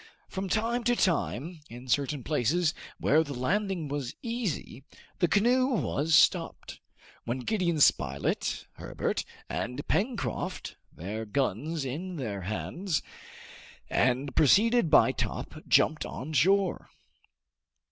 From time to time, in certain places where the landing was easy, the canoe was stopped, when Gideon Spilett, Herbert, and Pencroft, their guns in their hands, and preceded by Top, jumped on shore.